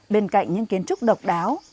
bên cạnh những kiến trúc độc đáo